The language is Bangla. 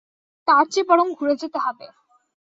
তারচেয়ে বরং ঘুরে যেতে হবে।